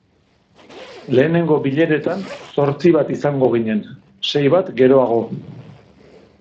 Lehenengo bileretan zortzi bat izango ginen, sei bat geroago.